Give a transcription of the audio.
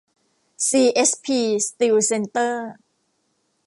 ซีเอสพี สตีลเซ็นเตอร์